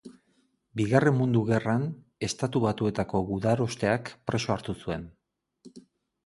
Bigarren Mundu Gerran, Estatu Batuetako gudarosteak preso hartu zuen.